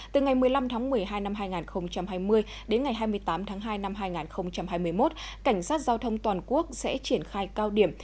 từ ngày một mươi năm tháng một mươi hai năm hai nghìn hai mươi đến ngày hai mươi tám tháng hai năm hai nghìn hai mươi một cảnh sát giao thông toàn quốc sẽ triển khai cao điểm